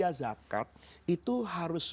panitia zakat itu harus